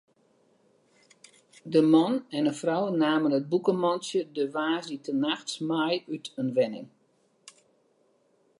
In man en in frou namen it bûkemantsje de woansdeitenachts mei út in wenning.